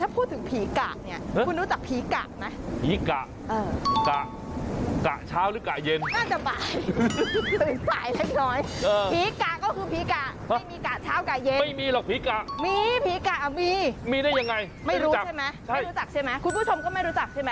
คุณผู้ชมก็ไม่รู้จักใช่ไหม